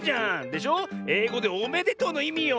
えいごで「おめでとう」のいみよ。